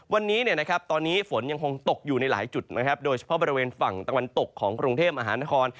วันนี้ตอนนี้ฝนยังคงตกอยู่ในหลายจุดนะครับโดยเฉพาะบริเวณฝั่งตะวันตกของกรุงเทพมหานคร